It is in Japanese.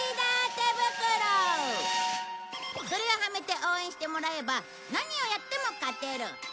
それをはめて応援してもらえば何をやっても勝てる。